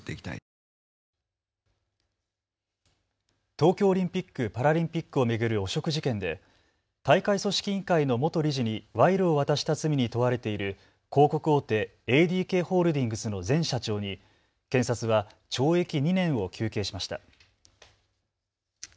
東京オリンピック・パラリンピックを巡る汚職事件で大会組織委員会の元理事に賄賂を渡した罪に問われている広告大手、ＡＤＫホールディングスの前社長に検察は懲役２年を求刑しました。